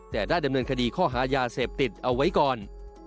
แต่ได้ดำเนินคดีข้อหายาเสพติดเอาไว้ก่อน